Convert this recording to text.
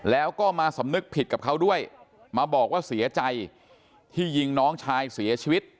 แล้วก็มาสำนึกผิดกับเขาด้วยมาบอกว่าเสียใจที่ยิงน้องชายเสียชีวิต